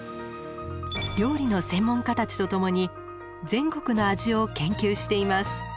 料理の専門家たちとともに全国の味を研究しています。